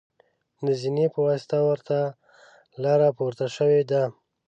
د زینې په واسطه ورته لاره پورته شوې ده.